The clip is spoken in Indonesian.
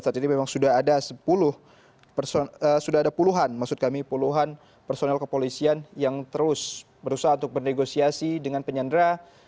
saat ini memang sudah ada puluhan maksud kami puluhan personel kepolisian yang terus berusaha untuk bernegosiasi dengan penyandera